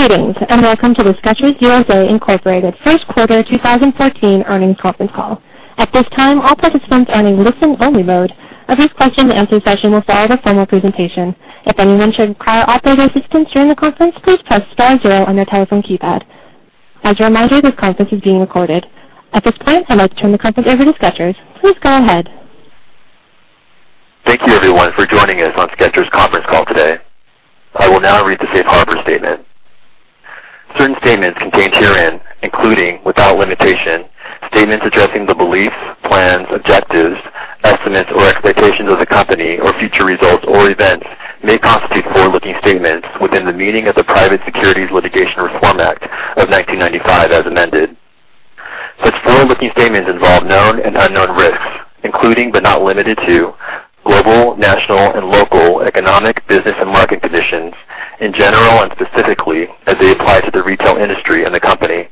Good evening, and welcome to the Skechers U.S.A., Inc. first quarter 2014 Earnings Conference Call. At this time, all participants are in listen-only mode. A brief question-and-answer session will follow the formal presentation. If anyone should require operator assistance during the conference, please press star zero on your telephone keypad. As a reminder, this conference is being recorded. At this point, I'd like to turn the conference over to Skechers'. Please go ahead. Thank you, everyone, for joining us on Skechers' conference call today. I will now read the safe harbor statement. Certain statements contained herein, including, without limitation, statements addressing the beliefs, plans, objectives, estimates, or expectations of the company or future results or events may constitute forward-looking statements within the meaning of the Private Securities Litigation Reform Act of 1995 as amended. Such forward-looking statements involve known and unknown risks, including but not limited to global, national, and local economic, business, and market conditions in general and specifically as they apply to the retail industry and the company.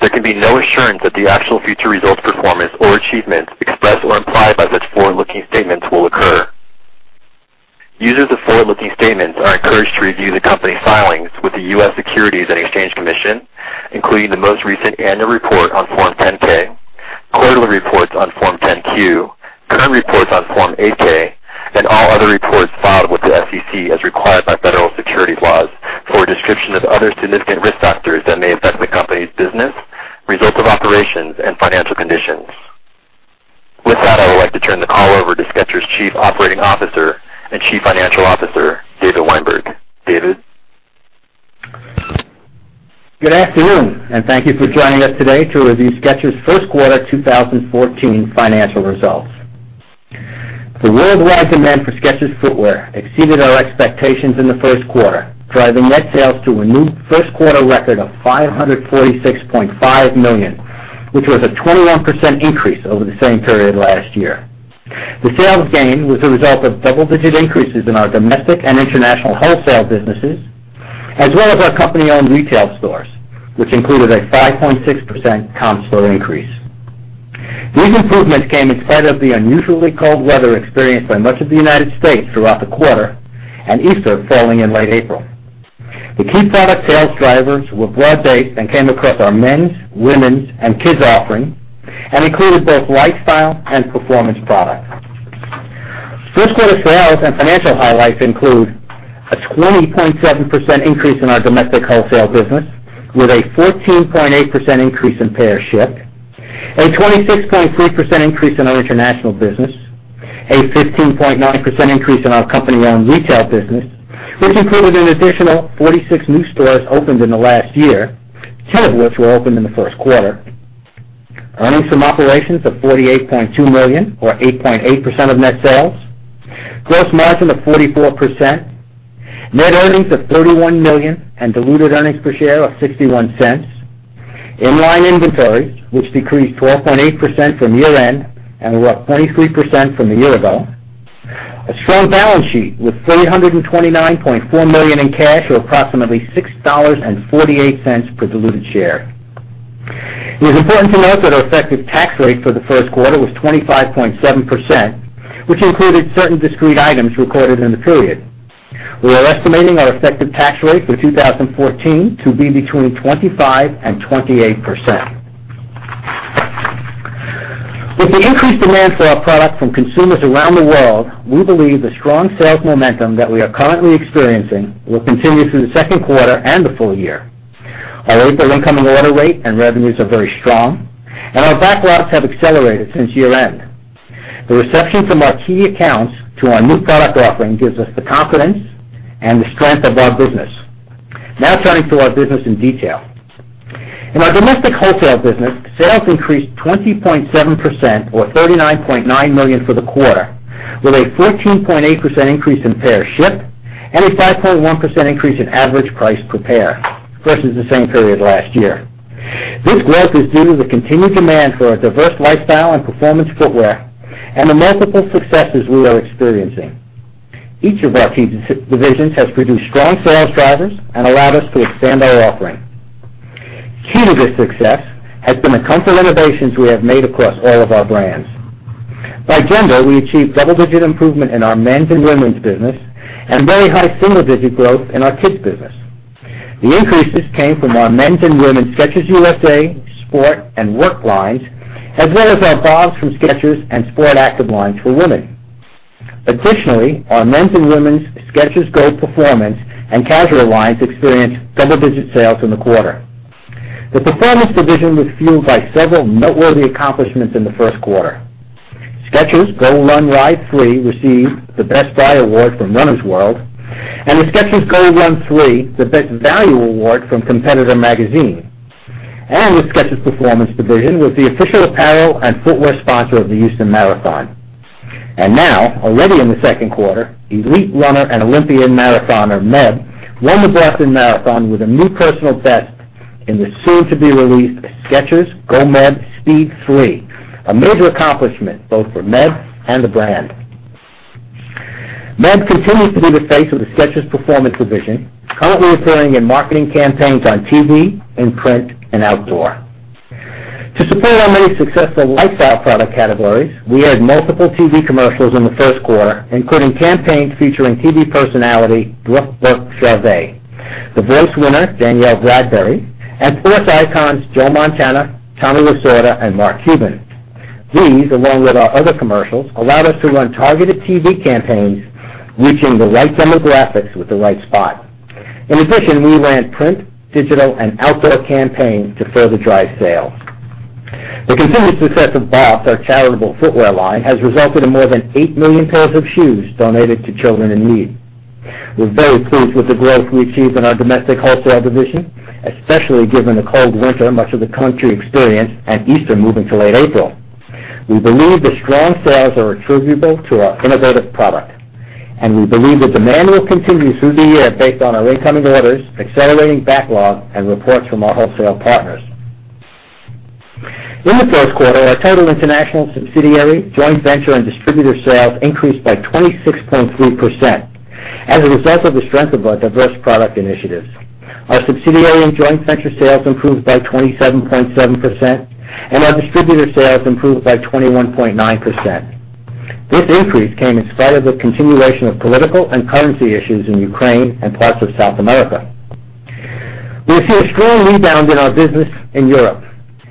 There can be no assurance that the actual future results performance or achievements expressed or implied by such forward-looking statements will occur. Users of forward-looking statements are encouraged to review the company's filings with the U.S. Securities and Exchange Commission, including the most recent annual report on Form 10-K, quarterly reports on Form 10-Q, current reports on Form 8-K, and all other reports filed with the SEC as required by federal securities laws for a description of other significant risk factors that may affect the company's business, results of operations, and financial conditions. With that, I would like to turn the call over to Skechers' Chief Operating Officer and Chief Financial Officer, David Weinberg. David? Good afternoon, and thank you for joining us today to review Skechers' first quarter 2014 financial results. The worldwide demand for Skechers footwear exceeded our expectations in the first quarter, driving net sales to a new first-quarter record of $546.5 million, which was a 21% increase over the same period last year. The sales gain was a result of double-digit increases in our domestic and international wholesale businesses, as well as our company-owned retail stores, which included a 5.6% comp store increase. These improvements came in spite of the unusually cold weather experienced by much of the United States throughout the quarter and Easter falling in late April. The key product sales drivers were broad-based and came across our men's, women's, and Kids' offerings and included both lifestyle and performance products. First quarter sales and financial highlights include a 20.7% increase in our domestic wholesale business, with a 14.8% increase in pair shipped, a 26.3% increase in our international business, a 15.9% increase in our company-owned retail business, which included an additional 46 new stores opened in the last year, 10 of which were opened in the first quarter. Earnings from operations of $48.2 million or 8.8% of net sales. Gross margin of 44%. Net earnings of $31 million and diluted earnings per share of $0.61. In-line inventories, which decreased 12.8% from year-end and were up 23% from a year ago. A strong balance sheet with $329.4 million in cash or approximately $6.48 per diluted share. It is important to note that our effective tax rate for the first quarter was 25.7%, which included certain discrete items recorded in the period. We are estimating our effective tax rate for 2014 to be between 25%-28%. With the increased demand for our product from consumers around the world, we believe the strong sales momentum that we are currently experiencing will continue through the second quarter and the full year. Our April incoming order rate and revenues are very strong, and our backlogs have accelerated since year-end. The reception from our key accounts to our new product offering gives us the confidence and the strength of our business. Now turning to our business in detail. In our domestic wholesale business, sales increased 20.7% or $39.9 million for the quarter, with a 14.8% increase in pair shipped and a 5.1% increase in average price per pair versus the same period last year. This growth is due to the continued demand for our diverse lifestyle and performance footwear and the multiple successes we are experiencing. Each of our key divisions has produced strong sales drivers and allowed us to expand our offering. Key to this success has been the comfort innovations we have made across all of our brands. By gender, we achieved double-digit improvement in our men's and women's business and very high single-digit growth in our kids business. The increases came from our men's and women's Skechers USA, sport, and work lines, as well as our BOBS from Skechers and sport active lines for women. Additionally, our men's and women's Skechers GO Performance and casual lines experienced double-digit sales in the quarter. The performance division was fueled by several noteworthy accomplishments in the first quarter. Skechers GOrun Ride 3 received the Best Buy award from Runner's World, and the Skechers GOrun 3, the Best Value award from Competitor Magazine. The Skechers Performance division was the official apparel and footwear sponsor of the Houston Marathon. Now, already in the second quarter, elite runner and Olympian marathoner, Meb, won the Boston Marathon with a new personal best in the soon-to-be-released Skechers GOmeb Speed 3, a major accomplishment both for Meb and the brand. Meb continues to be the face of the Skechers Performance division, currently appearing in marketing campaigns on TV, in print, and outdoor. To support our many successful lifestyle product categories, we had multiple TV commercials in the first quarter, including campaigns featuring TV personality Brooke Burke-Charvet, "The Voice" winner Danielle Bradbery, and sports icons Joe Montana, Tommy Lasorda, and Mark Cuban. These, along with our other commercials, allowed us to run targeted TV campaigns, reaching the right demographics with the right spot. In addition, we ran print, digital, and outdoor campaigns to further drive sales. The continued success of BOBS, our charitable footwear line, has resulted in more than 8 million pairs of shoes donated to children in need. We're very pleased with the growth we achieved in our domestic wholesale division, especially given the cold winter much of the country experienced and Easter moving to late April. We believe the strong sales are attributable to our innovative product, and we believe that demand will continue through the year based on our incoming orders, accelerating backlog, and reports from our wholesale partners. In the first quarter, our total international subsidiary, joint venture, and distributor sales increased by 26.3% as a result of the strength of our diverse product initiatives. Our subsidiary and joint venture sales improved by 27.7%, and our distributor sales improved by 21.9%. This increase came in spite of the continuation of political and currency issues in Ukraine and parts of South America. We see a strong rebound in our business in Europe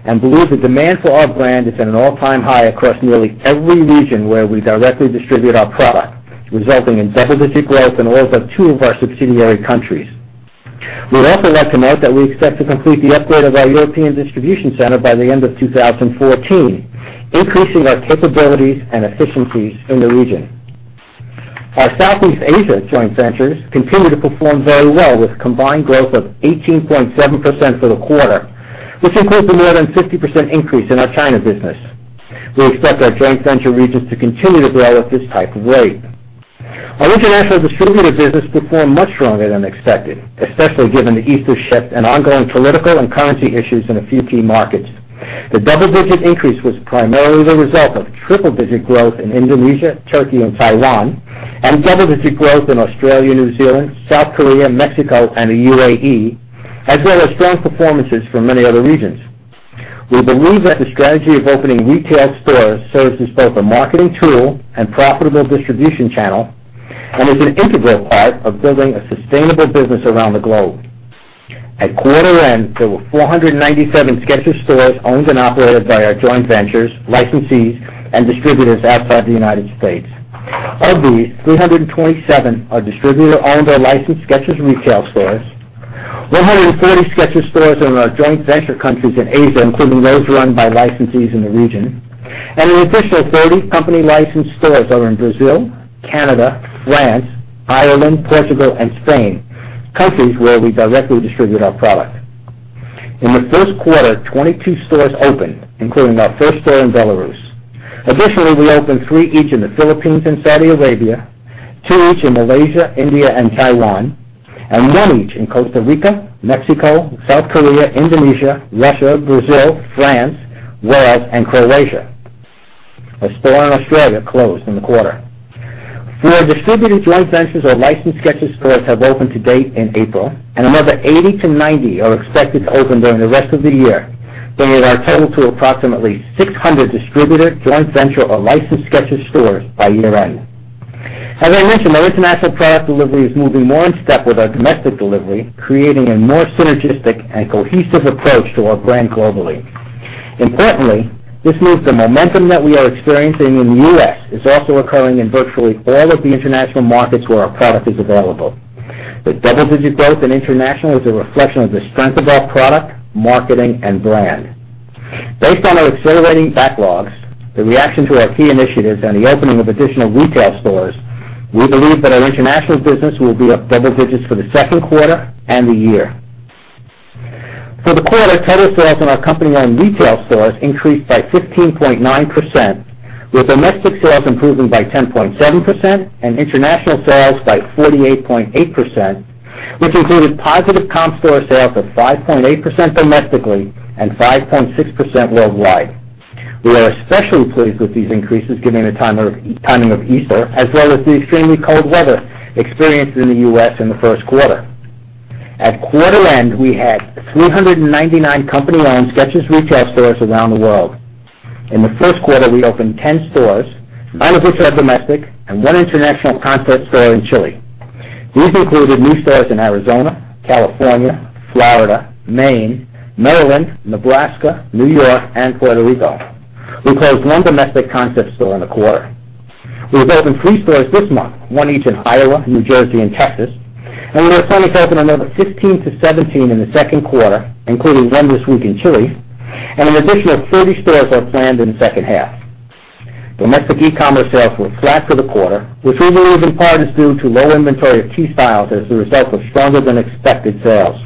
and believe the demand for our brand is at an all-time high across nearly every region where we directly distribute our product, resulting in double-digit growth in all but two of our subsidiary countries. We'd also like to note that we expect to complete the upgrade of our European distribution center by the end of 2014, increasing our capabilities and efficiencies in the region. Our Southeast Asia joint ventures continue to perform very well, with combined growth of 18.7% for the quarter, which includes a more than 50% increase in our China business. We expect our joint venture regions to continue to grow at this type of rate. Our international distributor business performed much stronger than expected, especially given the Easter shift and ongoing political and currency issues in a few key markets. The double-digit increase was primarily the result of triple-digit growth in Indonesia, Turkey, and Taiwan, and double-digit growth in Australia, New Zealand, South Korea, Mexico, and the UAE, as well as strong performances from many other regions. We believe that the strategy of opening retail stores serves as both a marketing tool and profitable distribution channel, and is an integral part of building a sustainable business around the globe. At quarter end, there were 497 Skechers stores owned and operated by our joint ventures, licensees, and distributors outside the United States. Of these, 327 are distributor-owned or licensed Skechers retail stores, 140 Skechers stores are in our joint venture countries in Asia, including those run by licensees in the region, and an additional 30 company-licensed stores are in Brazil, Canada, France, Ireland, Portugal, and Spain, countries where we directly distribute our product. In the first quarter, 22 stores opened, including our first store in Belarus. Additionally, we opened three each in the Philippines and Saudi Arabia, two each in Malaysia, India, and Taiwan, and one each in Costa Rica, Mexico, South Korea, Indonesia, Russia, Brazil, France, Wales, and Croatia. A store in Australia closed in the quarter. Four distributor joint ventures or licensed Skechers stores have opened to date in April, and another 80 to 90 are expected to open during the rest of the year, bringing our total to approximately 600 distributor, joint venture, or licensed Skechers stores by year-end. As I mentioned, our international product delivery is moving more in step with our domestic delivery, creating a more synergistic and cohesive approach to our brand globally. Importantly, this means the momentum that we are experiencing in the U.S. is also occurring in virtually all of the international markets where our product is available. The double-digit growth in international is a reflection of the strength of our product, marketing, and brand. Based on our accelerating backlogs, the reaction to our key initiatives, and the opening of additional retail stores, we believe that our international business will be up double digits for the second quarter and the year. For the quarter, total sales in our company-owned retail stores increased by 15.9%, with domestic sales improving by 10.7% and international sales by 48.8%, which included positive comp store sales of 5.8% domestically and 5.6% worldwide. We are especially pleased with these increases given the timing of Easter, as well as the extremely cold weather experienced in the U.S. in the first quarter. At quarter end, we had 399 company-owned Skechers retail stores around the world. In the first quarter, we opened 10 stores, all of which are domestic, and one international concept store in Chile. These included new stores in Arizona, California, Florida, Maine, Maryland, Nebraska, New York, and Puerto Rico. We closed one domestic concept store in the quarter. We will open three stores this month, one each in Iowa, New Jersey, and Texas, and we expect to open another 15 to 17 in the second quarter, including one this week in Chile, and an additional 30 stores are planned in the second half. Domestic e-commerce sales were flat for the quarter, which we believe in part is due to low inventory of key styles as a result of stronger-than-expected sales.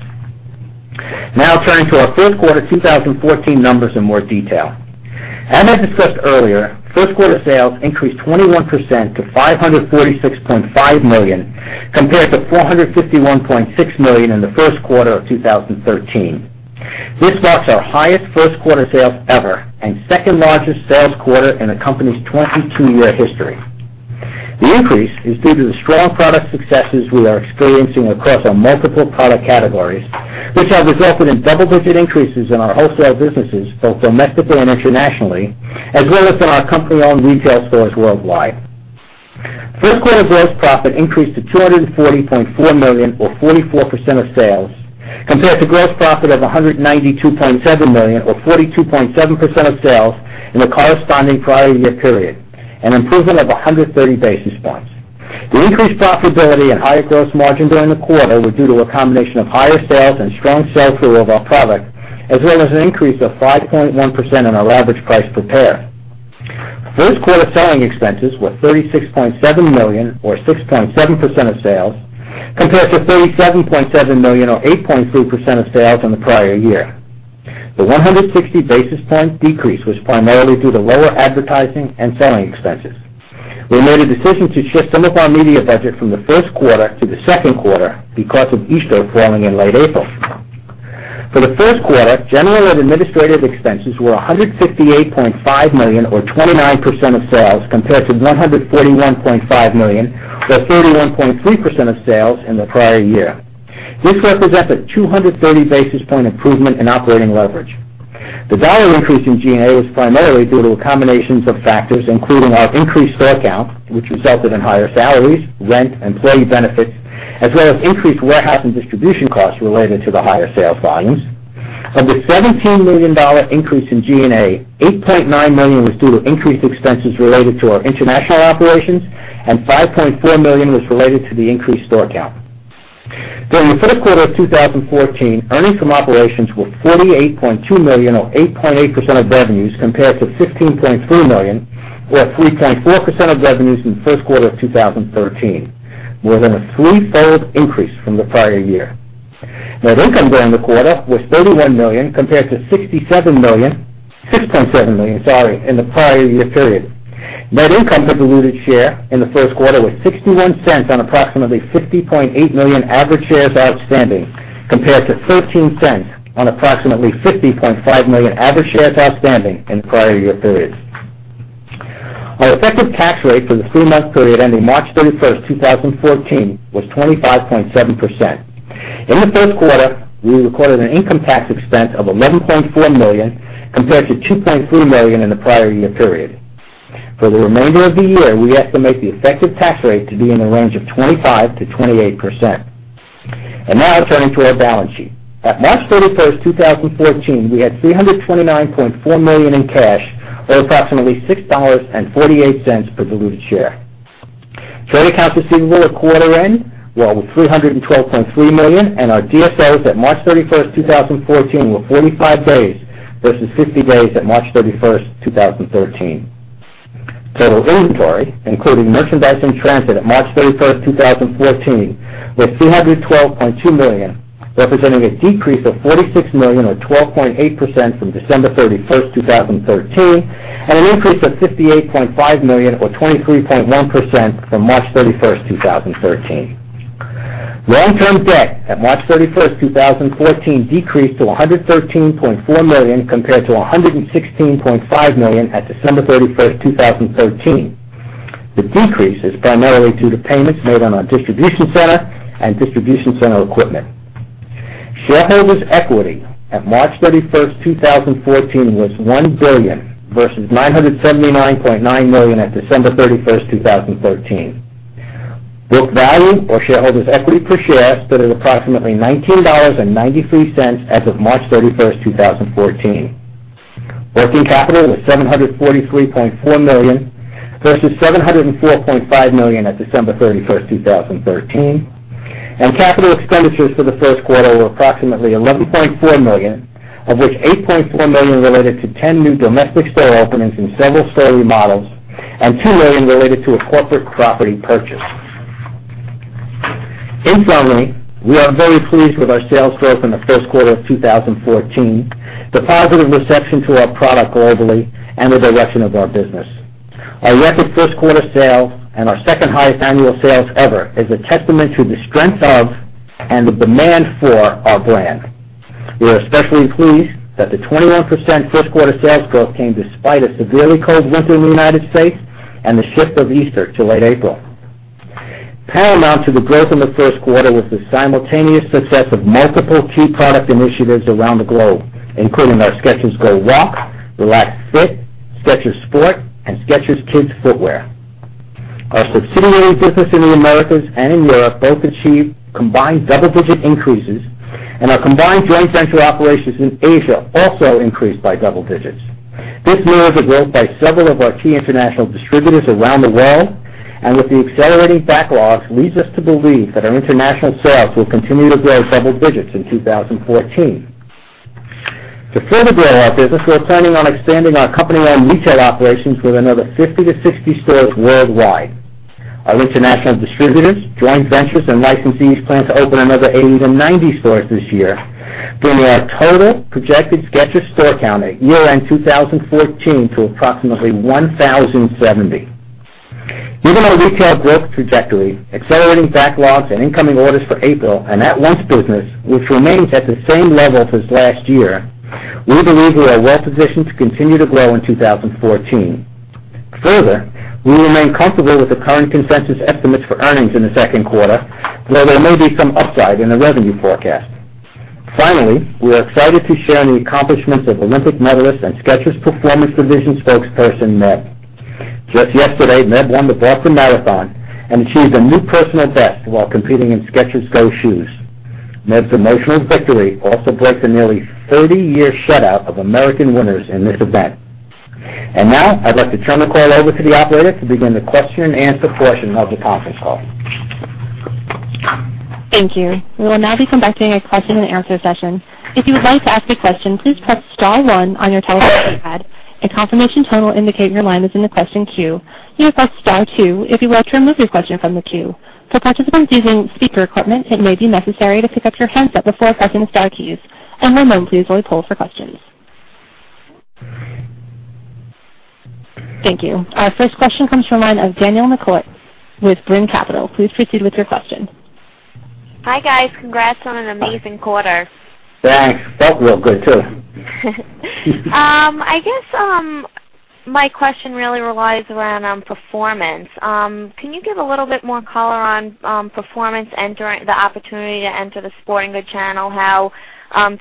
Turning to our first quarter 2014 numbers in more detail. As I discussed earlier, first quarter sales increased 21% to $546.5 million, compared to $451.6 million in the first quarter of 2013. This marks our highest first quarter sales ever and second largest sales quarter in the company's 22-year history. The increase is due to the strong product successes we are experiencing across our multiple product categories, which have resulted in double-digit increases in our wholesale businesses, both domestically and internationally, as well as in our company-owned retail stores worldwide. First quarter gross profit increased to $240.4 million or 44% of sales compared to gross profit of $192.7 million or 42.7% of sales in the corresponding prior year period, an improvement of 130 basis points. The increased profitability and higher gross margin during the quarter were due to a combination of higher sales and strong sell-through of our product, as well as an increase of 5.1% in our average price per pair. First quarter selling expenses were $36.7 million or 6.7% of sales compared to $37.7 million or 8.3% of sales in the prior year. The 160 basis point decrease was primarily due to lower advertising and selling expenses. We made a decision to shift some of our media budget from the first quarter to the second quarter because of Easter falling in late April. For the first quarter, General and Administrative expenses were $158.5 million or 29% of sales compared to $141.5 million or 31.3% of sales in the prior year. This represents a 230 basis point improvement in operating leverage. The dollar increase in G&A was primarily due to a combination of factors including our increased store count, which resulted in higher salaries, rent, employee benefits, as well as increased warehouse and distribution costs related to the higher sales volumes. Of the $17 million increase in G&A, $8.9 million was due to increased expenses related to our international operations and $5.4 million was related to the increased store count. During the first quarter of 2014, earnings from operations were $48.2 million or 8.8% of revenues compared to $15.3 million or 3.4% of revenues in the first quarter of 2013, more than a threefold increase from the prior year. Net income during the quarter was $31 million compared to $6.7 million in the prior year period. Net income per diluted share in the first quarter was $0.61 on approximately 50.8 million average shares outstanding compared to $0.13 on approximately 50.5 million average shares outstanding in the prior year period. Our effective tax rate for the three-month period ending March 31st, 2014 was 25.7%. In the first quarter, we recorded an income tax expense of $11.4 million compared to $2.3 million in the prior year period. For the remainder of the year, we estimate the effective tax rate to be in the range of 25%-28%. Now turning to our balance sheet. At March 31st, 2014, we had $329.4 million in cash or approximately $6.48 per diluted share. Trade accounts receivable at quarter end were over $312.3 million. Our DSOs at March 31st, 2014 were 45 days versus 50 days at March 31st, 2013. Total inventory, including merchandise in transit at March 31st, 2014, was $312.2 million, representing a decrease of $46 million or 12.8% from December 31st, 2013, and an increase of $58.5 million or 23.1% from March 31st, 2013. Long-term debt at March 31st, 2014 decreased to $113.4 million compared to $116.5 million at December 31st, 2013. The decrease is primarily due to payments made on our distribution center and distribution center equipment. Shareholders' equity at March 31st, 2014 was $1 billion versus $979.9 million at December 31st, 2013. Book value or shareholders' equity per share stood at approximately $19.93 as of March 31st, 2014. Working capital was $743.4 million versus $704.5 million at December 31st, 2013. Capital expenditures for the first quarter were approximately $11.4 million, of which $8.4 million related to 10 new domestic store openings and several store remodels and $2 million related to a corporate property purchase. In summary, we are very pleased with our sales growth in the first quarter of 2014, the positive reception to our product globally, and the direction of our business. Our record first quarter sales and our second highest annual sales ever is a testament to the strength of and the demand for our brand. We are especially pleased that the 21% first quarter sales growth came despite a severely cold winter in the U.S. and the shift of Easter to late April. Paramount to the growth in the first quarter was the simultaneous success of multiple key product initiatives around the globe, including our Skechers GOwalk, Relaxed Fit, Skechers Sport, and Skechers Kids footwear. Our subsidiary business in the Americas and in Europe both achieved combined double-digit increases, and our combined joint venture operations in Asia also increased by double digits. This mirrors the growth by several of our key international distributors around the world, and with the accelerating backlogs, leads us to believe that our international sales will continue to grow double digits in 2014. To further grow our business, we're planning on expanding our company-owned retail operations with another 50 to 60 stores worldwide. Our international distributors, joint ventures, and licensees plan to open another 80 to 90 stores this year, bringing our total projected Skechers store count at year-end 2014 to approximately 1,070. Given our retail growth trajectory, accelerating backlogs, and incoming orders for April and at-once business, which remains at the same level as last year, we believe we are well positioned to continue to grow in 2014. Further, we remain comfortable with the current consensus estimates for earnings in the second quarter, although there may be some upside in the revenue forecast. Finally, we are excited to share in the accomplishments of Olympic medalist and Skechers Performance Division spokesperson, Meb. Just yesterday, Meb won the Boston Marathon and achieved a new personal best while competing in Skechers GO shoes. Meb's emotional victory also breaks a nearly 30-year shutout of American winners in this event. Now, I'd like to turn the call over to the operator to begin the question-and-answer portion of the conference call. Thank you. We will now be conducting a question-and-answer session. If you would like to ask a question, please press star one on your telephone keypad. A confirmation tone will indicate your line is in the question queue. You may press star two if you'd like to remove your question from the queue. For participants using speaker equipment, it may be necessary to pick up your handset before pressing the star keys. One moment please while we poll for questions. Thank you. Our first question comes from the line of Danielle Noce with Brean Capital. Please proceed with your question. Hi, guys. Congrats on an amazing quarter. Thanks. Felt real good, too. I guess my question really relies around on performance. Can you give a little bit more color on performance and the opportunity to enter the sporting goods channel, how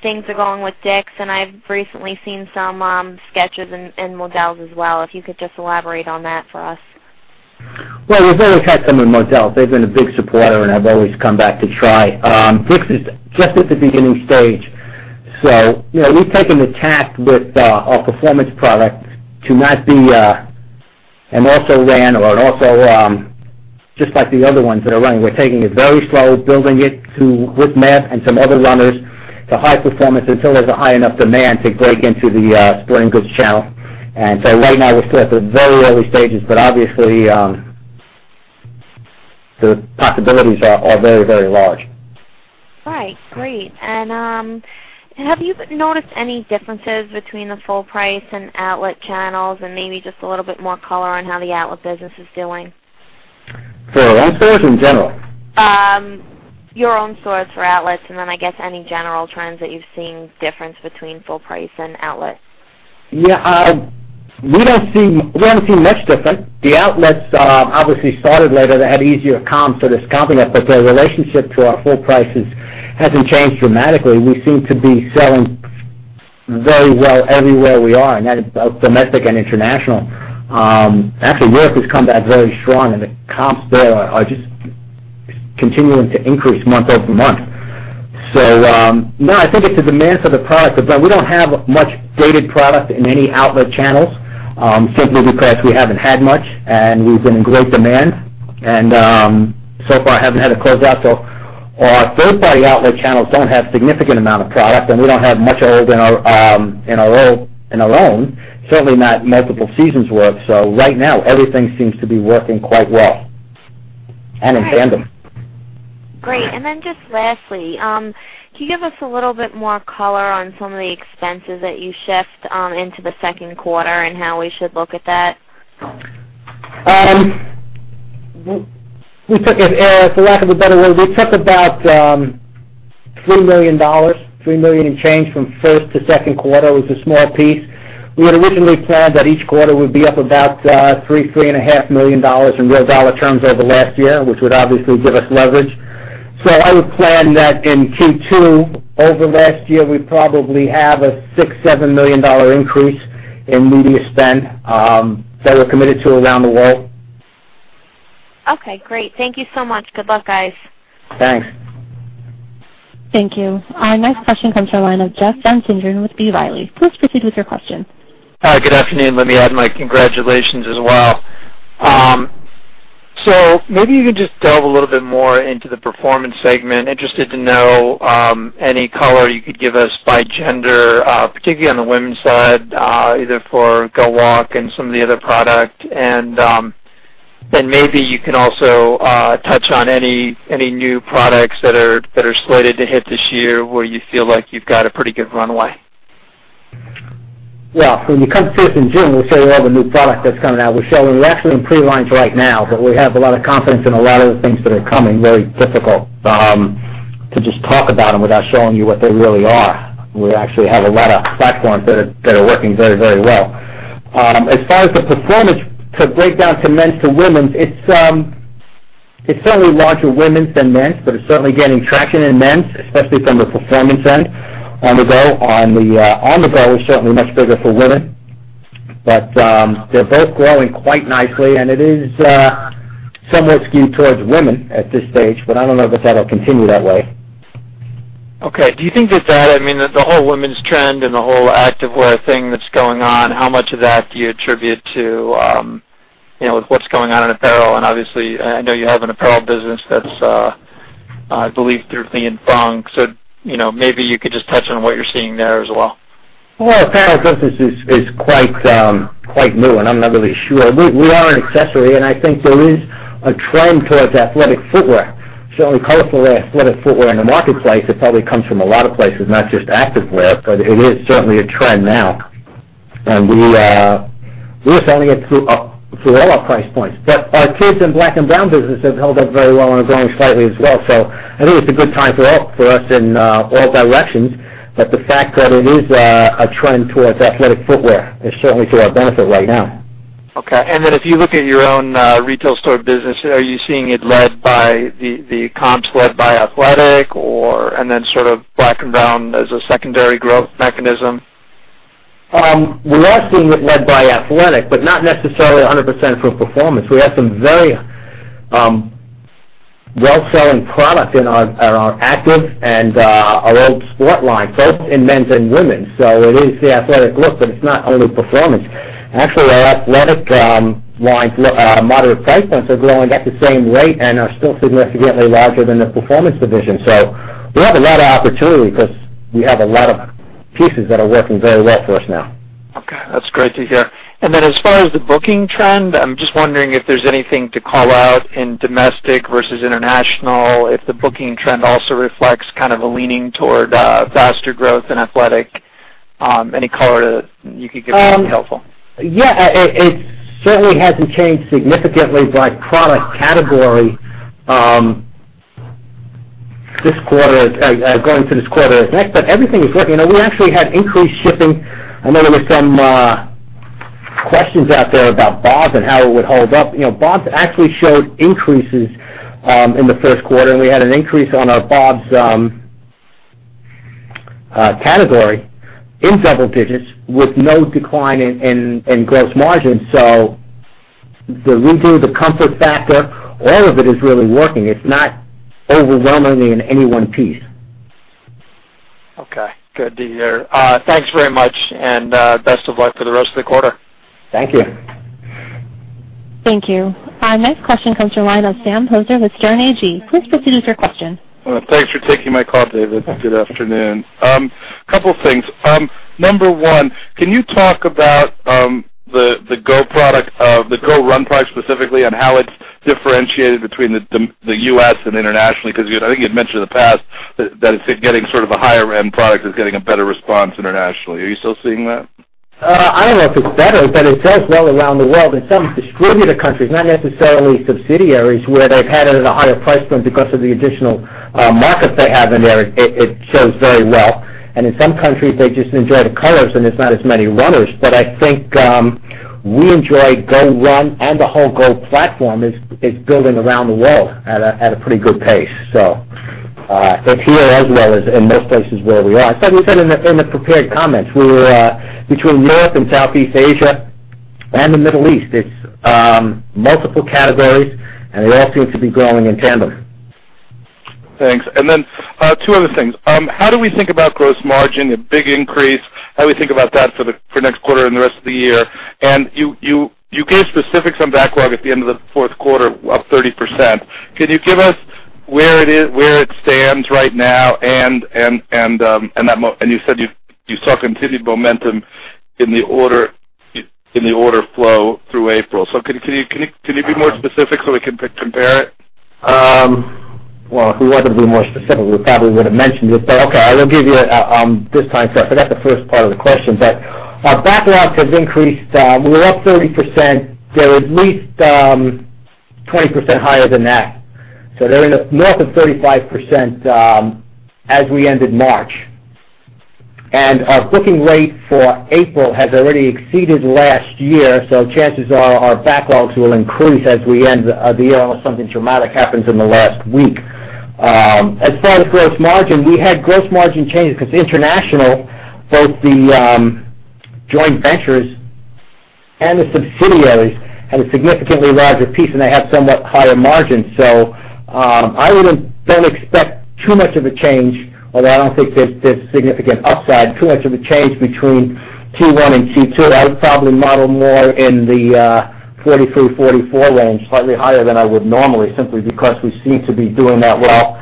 things are going with DICK'S? I've recently seen some Skechers in Modell's as well, if you could just elaborate on that for us. Well, we've always had some in Modell's. They've been a big supporter, and have always come back to try. DICK'S is just at the beginning stage. We've taken the tack with our performance product to not be an also ran or Just like the other ones that are running. We're taking it very slow, building it with Meb and some other runners to high performance until there's a high enough demand to break into the sporting goods channel. Right now we're still at the very early stages, but obviously, the possibilities are very large. Right. Great. Have you noticed any differences between the full price and outlet channels and maybe just a little bit more color on how the outlet business is doing? For our outlets in general? Your own stores for outlets, I guess any general trends that you've seen, difference between full price and outlets. Yeah. We don't see much difference. The outlets obviously started later. They had easier comps for this coming up, but their relationship to our full prices hasn't changed dramatically. We seem to be selling very well everywhere we are, and that is both domestic and international. Actually, Europe has come back very strong and the comps there are just continuing to increase month-over-month. No, I think it's a demand for the product. We don't have much dated product in any outlet channels, simply because we haven't had much, and we've been in great demand. So far I haven't had to close out. Our third-party outlet channels don't have significant amount of product, and we don't have much in our own, certainly not multiple seasons worth. Right now everything seems to be working quite well and in tandem. Great. Just lastly, can you give us a little bit more color on some of the expenses that you shift into the second quarter and how we should look at that? For lack of a better word, we took about $3 million, $3 million in change from first to second quarter. It was a small piece. We had originally planned that each quarter would be up about $3 million, $3.5 million in real dollar terms over last year, which would obviously give us leverage. I would plan that in Q2 over last year, we probably have a $6 million, $7 million increase in media spend, that we're committed to around the world. Okay, great. Thank you so much. Good luck, guys. Thanks. Thank you. Our next question comes from the line of Jeff Van Sinderen with B. Riley. Please proceed with your question. Hi, good afternoon. Let me add my congratulations as well. Maybe you could just delve a little bit more into the performance segment. Interested to know any color you could give us by gender, particularly on the women's side, either for GOwalk and some of the other product. Maybe you can also touch on any new products that are slated to hit this year where you feel like you've got a pretty good runway. Yeah. When you come see us in June, we'll show you all the new product that's coming out. We're actually in pre-lines right now, but we have a lot of confidence in a lot of the things that are coming, very difficult to just talk about them without showing you what they really are. We actually have a lot of platforms that are working very well. As far as the performance to break down to men's to women's, it's certainly larger women's than men's, but it's certainly gaining traction in men's, especially from the performance end. On the GO is certainly much bigger for women, but they're both growing quite nicely, and it is somewhat skewed towards women at this stage, but I don't know if that'll continue that way. Okay. Do you think that, I mean, the whole women's trend and the whole active wear thing that's going on, how much of that do you attribute to, with what's going on in apparel, and obviously, I know you have an apparel business that's, I believe through Li & Fung, maybe you could just touch on what you're seeing there as well. Well, apparel business is quite new, I'm not really sure. We are an accessory, I think there is a trend towards athletic footwear. Certainly colorful athletic footwear in the marketplace, it probably comes from a lot of places, not just active wear, it is certainly a trend now. We are selling it through all our price points. Our kids in black and brown business have held up very well and are growing slightly as well. I think it's a good time for us in all directions. The fact that it is a trend towards athletic footwear is certainly to our benefit right now. Okay. If you look at your own retail store business, are you seeing it led by the comps led by athletic or sort of black and brown as a secondary growth mechanism? We are seeing it led by athletic, but not necessarily 100% for performance. We have some very well-selling product in our active and our Skechers Sport line, both in men's and women's. It is the athletic look, but it's not only performance. Actually, our athletic line's moderate price points are growing at the same rate and are still significantly larger than the performance division. We have a lot of opportunity because we have a lot of pieces that are working very well for us now. Okay. That's great to hear. As far as the booking trend, I'm just wondering if there's anything to call out in domestic versus international, if the booking trend also reflects kind of a leaning toward faster growth in athletic. Any color you could give me would be helpful. Yeah. It certainly hasn't changed significantly by product category going into this quarter as next, everything is working. We actually had increased shipping. I know there were some questions out there about BOBS and how it would hold up. BOBS actually showed increases in the first quarter, and we had an increase on our BOBS category in double digits with no decline in gross margin. The redo, the comfort factor, all of it is really working. It's not overwhelmingly in any one piece. Okay. Good to hear. Thanks very much. Best of luck for the rest of the quarter. Thank you. Thank you. Our next question comes from the line of Sam Poser with Sterne Agee. Please proceed with your question. Well, thanks for taking my call, David. Good afternoon. Couple things. Number 1, can you talk about the GO product, the Skechers GOrun product specifically, and how it's differentiated between the U.S. and internationally? I think you'd mentioned in the past that it's getting sort of a higher-end product is getting a better response internationally. Are you still seeing that? I don't know if it's better, it does well around the world. In some distributor countries, not necessarily subsidiaries, where they've had it at a higher price point because of the additional markup they have in there, it sells very well. In some countries, they just enjoy the colors and there's not as many runners. I think we enjoy Skechers GOrun and the whole GO platform is building around the world at a pretty good pace. Here as well as in most places where we are. It's like we said in the prepared comments. Between North and Southeast Asia and the Middle East, it's multiple categories and they all seem to be growing in tandem. Thanks. Two other things. How do we think about gross margin, a big increase? How do we think about that for the next quarter and the rest of the year? You gave specifics on backlog at the end of the fourth quarter, up 30%. Can you give us where it stands right now and you said you saw continued momentum in the order flow through April. Can you be more specific so we can compare it? If we were to be more specific, we probably would've mentioned it, okay, I will give you this time. I forgot the first part of the question, our backlogs have increased. We were up 30%. They're at least 20% higher than that. They're north of 35% as we ended March. Our booking rate for April has already exceeded last year, chances are our backlogs will increase as we end the year unless something dramatic happens in the last week. As far as gross margin, we had gross margin changes because international, both the joint ventures and the subsidiaries, had a significantly larger piece, and they have somewhat higher margins. I wouldn't, don't expect too much of a change, although I don't think there's significant upside, too much of a change between Q1 and Q2. I would probably model more in the 43, 44 range, slightly higher than I would normally, simply because we seem to be doing that well.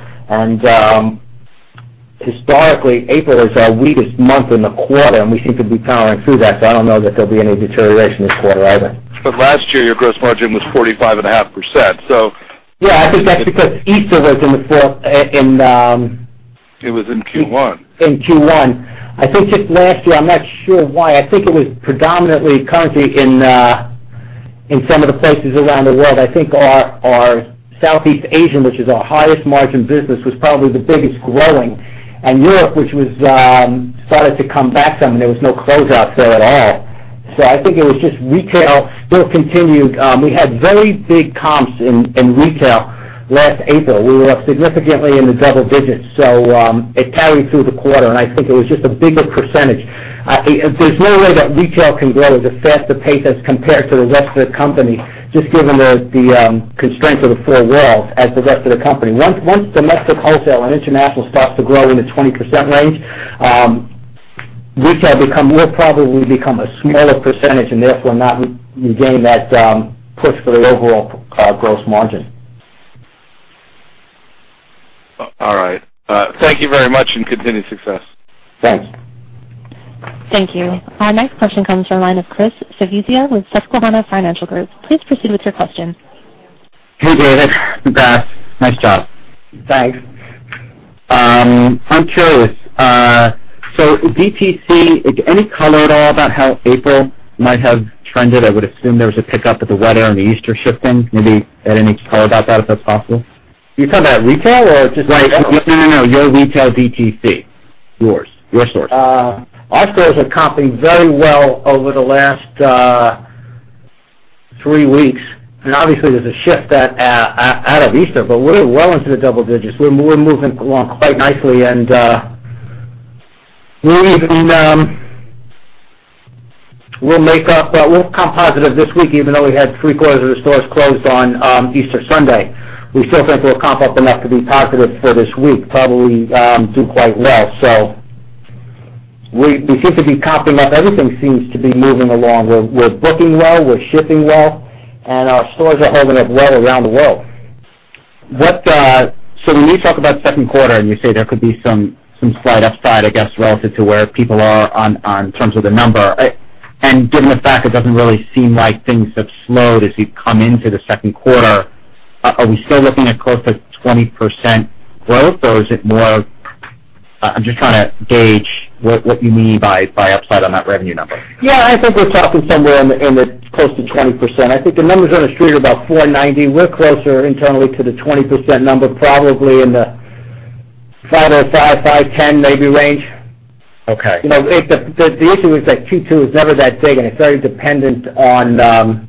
Historically, April is our weakest month in the quarter, and we seem to be powering through that, I don't know that there'll be any deterioration this quarter either. Last year, your gross margin was 45.5%. Yeah, I think that's because Easter was in the fourth. It was in Q1. In Q1. I think just last year, I'm not sure why. I think it was predominantly currency in some of the places around the world. I think our Southeast Asian, which is our highest margin business, was probably the biggest growing. Europe, which was started to come back some, and there was no closeouts there at all. I think it was just retail still continued. We had very big comps in retail last April. We were up significantly in the double digits. It carried through the quarter, and I think it was just a bigger percentage. There's no way that retail can grow at a faster pace as compared to the rest of the company, just given the constraints of the four walls as the rest of the company. Once domestic wholesale and international starts to grow in the 20% range, retail will probably become a smaller percentage and therefore not regain that push for the overall gross margin. All right. Thank you very much, and continued success. Thanks. Thank you. Our next question comes from the line of Christopher Svezia with Susquehanna Financial Group. Please proceed with your question. Hey, David. Bass, nice job. Thanks. I'm curious. DTC, any color at all about how April might have trended? I would assume there was a pickup with the weather and the Easter shift then. Maybe any color about that, if that's possible. You're talking about retail or just in general? No, your retail DTC. Yours. Your stores. Our stores have comped very well over the last three weeks, and obviously there's a shift out of Easter, but we're well into the double digits. We're moving along quite nicely, and we'll comp positive this week, even though we had three-quarters of the stores closed on Easter Sunday. We still think we'll comp up enough to be positive for this week, probably do quite well. We seem to be comping up. Everything seems to be moving along. We're booking well, we're shipping well, and our stores are holding up well around the world. When you talk about second quarter, and you say there could be some slight upside, I guess, relative to where people are in terms of the number. Given the fact it doesn't really seem like things have slowed as you've come into the second quarter, are we still looking at close to 20% growth? I'm just trying to gauge what you mean by upside on that revenue number. Yeah, I think we're talking somewhere in the close to 20%. I think the numbers on the street are about $490. We're closer internally to the 20% number, probably in the $505, $510, maybe, range. Okay. The issue is that Q2 is never that big, and it's very dependent on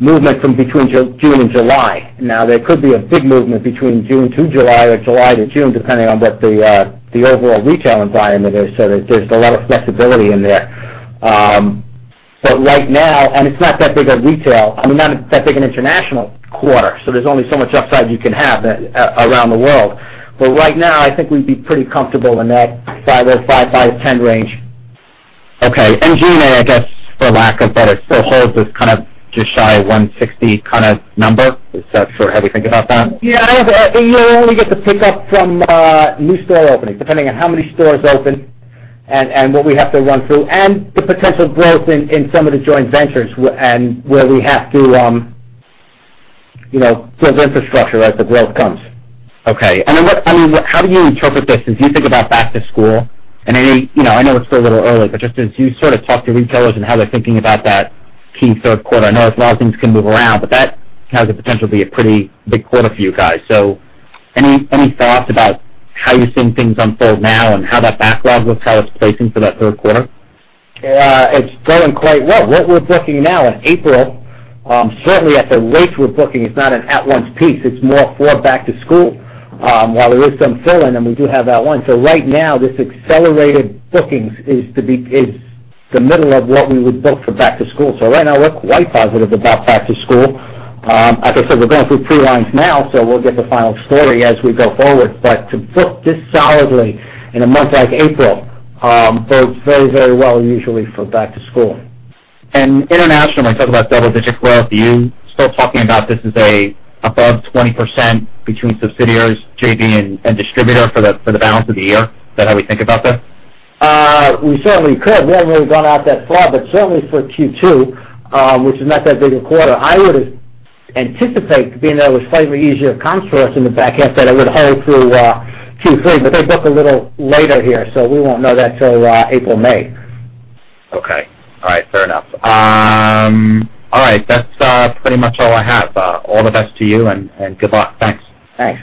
movement from between June and July. Now, there could be a big movement between June to July or July to June, depending on what the overall retail environment is. There's a lot of flexibility in there. Right now, and it's not that big an international quarter, there's only so much upside you can have around the world. Right now, I think we'd be pretty comfortable in that $505, $510 range. Okay. G&A, I guess, for lack of better, still holds this kind of just shy of $160 kind of number. Is that how you think about that? Yeah. We get the pick-up from new store openings, depending on how many stores open and what we have to run through, and the potential growth in some of the joint ventures where we have to build infrastructure as the growth comes. Okay. How do you interpret this as you think about back to school? I know it's still a little early, but just as you sort of talk to retailers and how they're thinking about that key third quarter. I know a lot of things can move around, but that has the potential to be a pretty big quarter for you guys. Any thoughts about how you're seeing things unfold now and how that backlog, how it's placing for that third quarter? It's going quite well. What we're booking now in April, certainly at the rates we're booking, it's not an at-once piece, it's more for back to school. While there is some fill-in, and we do have that one. Right now, this accelerated bookings is the middle of what we would book for back to school. Right now, we're quite positive about back to school. Like I said, we're going through pre-lines now, we'll get the final story as we go forward. To book this solidly in a month like April bodes very, very well usually for back to school. Internationally, talk about double-digit growth. Are you still talking about this as above 20% between subsidiaries, JV, and distributor for the balance of the year? Is that how we think about that? We certainly could. We haven't really gone out that far, but certainly for Q2, which is not that big a quarter. I would anticipate, being that it was slightly easier comps for us in the back half that it would hold through Q3, but they book a little later here, so we won't know that till April, May. Okay. All right. Fair enough. All right, that's pretty much all I have. All the best to you, and good luck. Thanks. Thanks.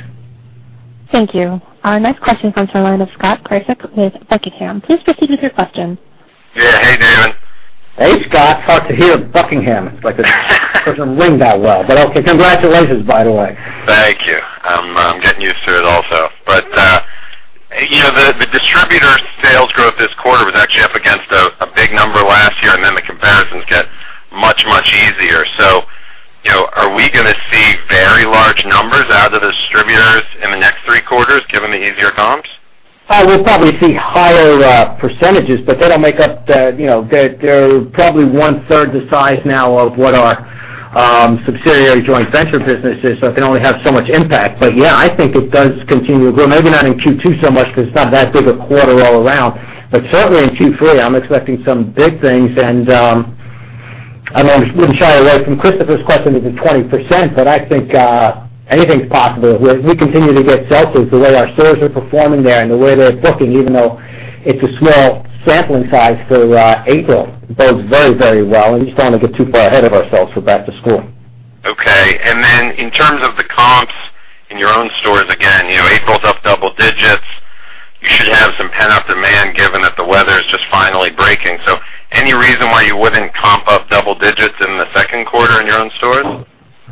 Thank you. Our next question comes from the line of Scott Krasik with Buckingham. Please proceed with your question. Yeah. Hey, David. Hey, Scott. It's hard to hear. Buckingham. It doesn't ring that well, but okay. Congratulations, by the way. Thank you. I'm getting used to it also. The distributor sales growth this quarter was actually up against a big number last year, the comparisons get much, much easier. Are we going to see very large numbers out of the distributors in the next three quarters, given the easier comps? We'll probably see higher percentages, but they're probably one-third the size now of what our subsidiary joint venture business is, so it can only have so much impact. Yeah, I think it does continue to grow. Maybe not in Q2 so much because it's not that big a quarter all around. Certainly in Q3, I'm expecting some big things. I wouldn't shy away from Christopher's question, is it 20%? I think anything's possible. We continue to get sell-throughs the way our stores are performing there and the way they're booking, even though it's a small sampling size for April. Bodes very, very well, and we just don't want to get too far ahead of ourselves for back to school. Okay. In terms of the comps in your own stores, again, April's up double digits. You should have some pent-up demand given that the weather is just finally breaking. Any reason why you wouldn't comp up double digits in the second quarter in your own stores?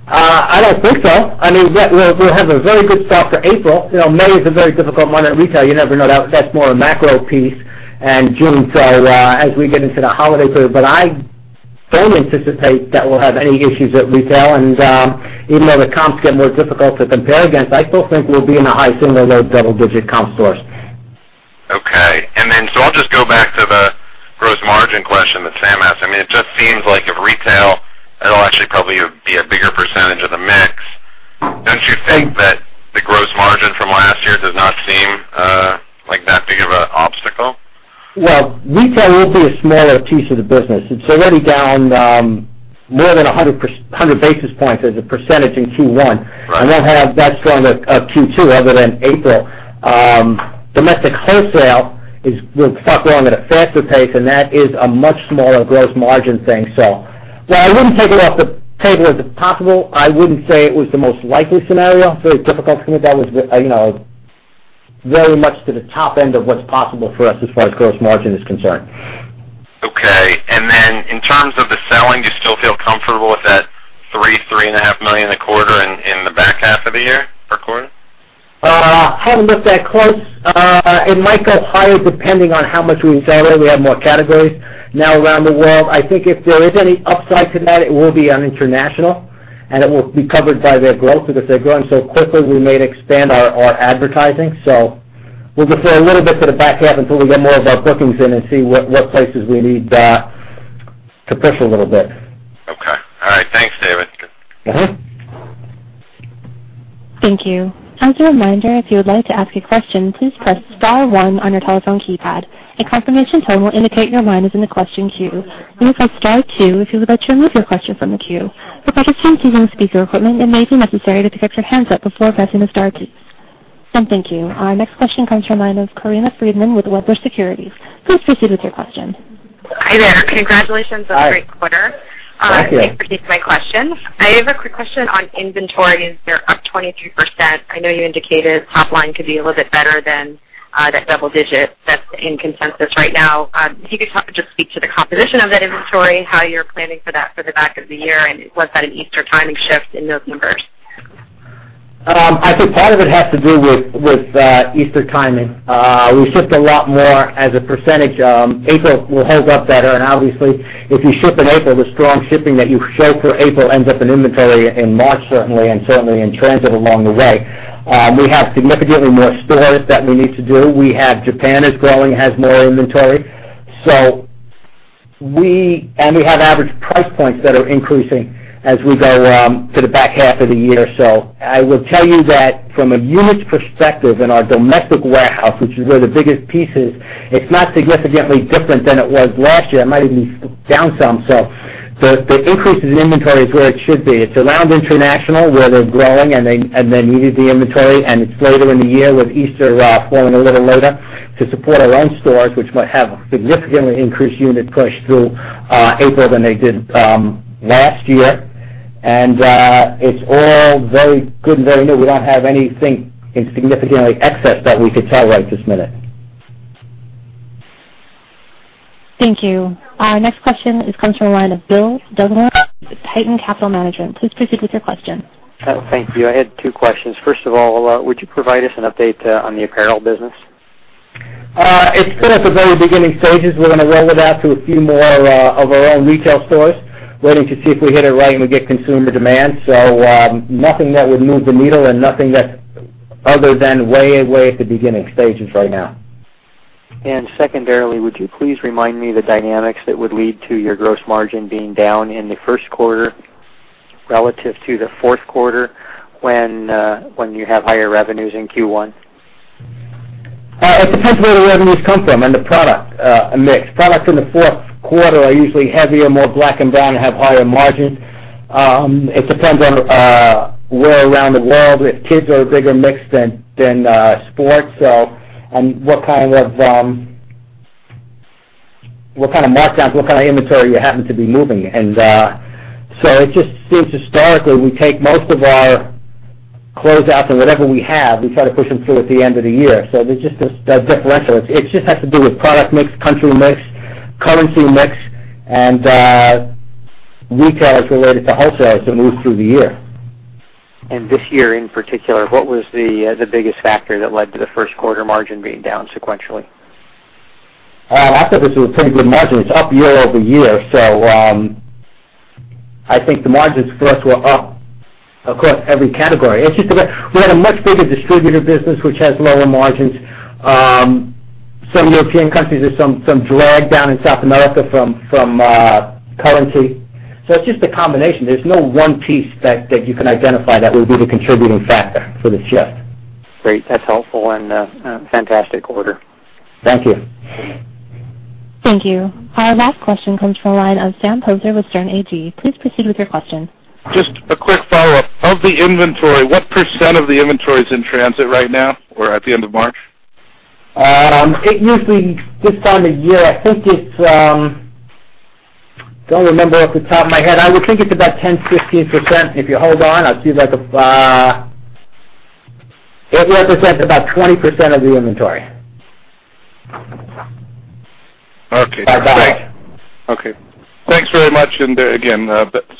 I don't think so. We'll have a very good start for April. May is a very difficult month at retail. You never know. That's more a macro piece. June, as we get into the holiday period. I don't anticipate that we'll have any issues at retail. Even though the comps get more difficult to compare against, I still think we'll be in the high single or low double-digit comp store. Okay. I'll just go back to the gross margin question that Sam asked. It just seems like if retail, it'll actually probably be a bigger percentage of the mix. Don't you think that the gross margin from last year does not seem like that big of an obstacle? Well, retail will be a smaller piece of the business. It's already down more than 100 basis points as a percentage in Q1. Right. We'll have that strong of Q2 other than April. Domestic wholesale will start growing at a faster pace. That is a much smaller gross margin thing. Well, I wouldn't take it off the table as impossible. I wouldn't say it was the most likely scenario. Very difficult for me. That was very much to the top end of what's possible for us as far as gross margin is concerned. Okay. In terms of the selling, do you still feel comfortable with that $3 million-$3.5 million a quarter in the back half of the year per quarter? I haven't looked that close. It might go higher depending on how much we accelerate. We have more categories now around the world. I think if there is any upside to that, it will be on international, and it will be covered by their growth because they're growing so quickly, we may expand our advertising. We'll just wait a little bit for the back half until we get more of our bookings in and see what places we need to push a little bit. Okay. All right. Thanks, David. Thank you. As a reminder, if you would like to ask a question, please press star one on your telephone keypad. A confirmation tone will indicate your line is in the question queue. Please press star two if you would like to remove your question from the queue. For participants using speaker equipment, it may be necessary to pick up your handset before pressing the star keys. Thank you. Our next question comes from the line of Corinna Freedman with Wedbush Securities. Please proceed with your question. Hi there. Congratulations on- Hi a great quarter. Thank you. Thanks for taking my question. I have a quick question on inventory. You're up 23%. I know you indicated top line could be a little bit better than that double digit that's in consensus right now. If you could just speak to the composition of that inventory, how you're planning for that for the back of the year, and was that an Easter timing shift in those numbers? I think part of it has to do with Easter timing. We shipped a lot more as a percentage. April will hold up better, and obviously, if you ship in April, the strong shipping that you show for April ends up in inventory in March certainly and certainly in transit along the way. We have significantly more stores that we need to do. We have Japan is growing, has more inventory. We have average price points that are increasing as we go to the back half of the year. I will tell you that from a units perspective in our domestic warehouse, which is where the biggest piece is, it's not significantly different than it was last year. It might even be down some. The increase in inventory is where it should be. It's around international, where they're growing and they needed the inventory, and it's later in the year with Easter falling a little later to support our own stores, which might have significantly increased units pushed through April than they did last year. It's all very good and very new. We don't have anything in significantly excess that we could tell right this minute. Thank you. Our next question comes from the line of Bill Dugmore with Titan Capital Management. Please proceed with your question. Thank you. I had two questions. First of all, would you provide us an update on the apparel business? It's still at the very beginning stages. We're going to roll it out to a few more of our own retail stores, waiting to see if we hit it right and we get consumer demand. Nothing that would move the needle and nothing other than way at the beginning stages right now. Secondarily, would you please remind me the dynamics that would lead to your gross margin being down in the first quarter relative to the fourth quarter when you have higher revenues in Q1? It depends where the revenues come from and the product mix. Products in the fourth quarter are usually heavier, more black and brown, and have higher margins. It depends on where around the world, if Kids are a bigger mix than Sport, and what kind of markdowns, what kind of inventory you happen to be moving. It just seems historically, we take most of our closeouts and whatever we have, we try to push them through at the end of the year. There's just this differential. It just has to do with product mix, country mix, currency mix, and retailers related to wholesalers that move through the year. This year, in particular, what was the biggest factor that led to the first quarter margin being down sequentially? I thought this was a pretty good margin. It's up year-over-year. I think the margins for us were up across every category. We had a much bigger distributor business, which has lower margins. Some European countries, there's some drag down in South America from currency. It's just a combination. There's no one piece that you can identify that would be the contributing factor for the shift. Great. That's helpful and a fantastic quarter. Thank you. Thank you. Our last question comes from the line of Sam Poser with Sterne Agee. Please proceed with your question. Just a quick follow-up. Of the inventory, what % of the inventory is in transit right now or at the end of March? It usually, this time of year. I don't remember off the top of my head. I would think it's about 10%-15%. If you hold on, I'll see if I can. It represents about 20% of the inventory. Okay. About. Okay. Thanks very much. Again,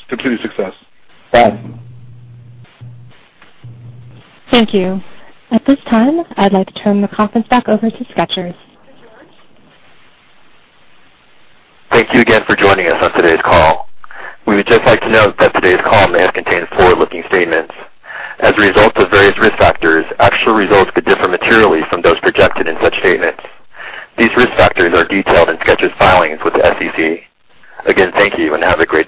complete success. Thanks. Thank you. At this time, I'd like to turn the conference back over to Skechers. To George. Thank you again for joining us on today's call. We would just like to note that today's call may contain forward-looking statements. As a result of various risk factors, actual results could differ materially from those projected in such statements. These risk factors are detailed in Skechers' filings with the SEC. Again, thank you, and have a great day.